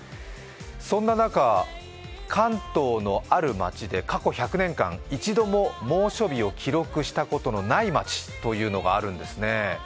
そんな中、関東のある町で過去１００年間、一度も猛暑日を記録したことのない町というのがあるんですね。